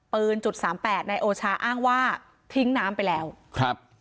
จุดสามแปดนายโอชาอ้างว่าทิ้งน้ำไปแล้วครับ